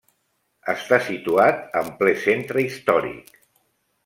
Està situat en ple centre històric.